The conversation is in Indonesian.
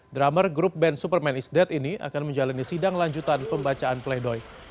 drummer grup band superman is dead ini akan menjalani sidang lanjutan pembacaan pledoi